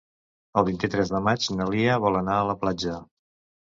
El vint-i-tres de maig na Lia vol anar a la platja.